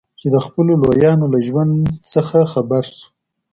چې د خپلو لویانو له ژوند نه خبر شو.